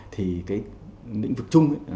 thì cái lĩnh vực chung